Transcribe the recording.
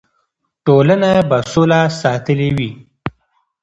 ټولنه به سوله ساتلې وي.